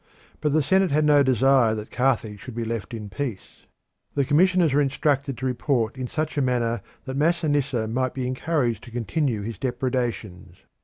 But the Senate had no desire that Carthage should be left in peace. The commissioners were instructed to report in such a manner that Masinissa might be encouraged to continue his depredations.